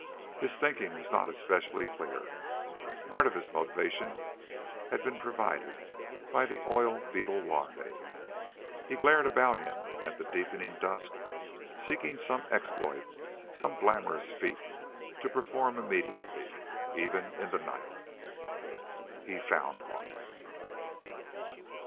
His thinking was not especially clear. Part of his motivation had been provided by the oil beetle larvae. He glared about him at the deepening dusk, seeking some exploit, some glamorous feat, to perform immediately, even in the night. He found one.